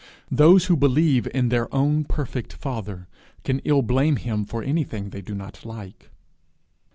Those who believe in their own perfect father, can ill blame him for anything they do not like.